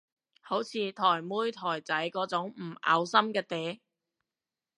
好似台妹台仔嗰種唔嘔心嘅嗲